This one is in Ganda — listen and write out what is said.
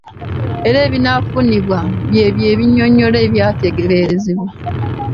Era ebinaafunibwa by'ebyo ebinnyonnyola ebyateeberezebwa.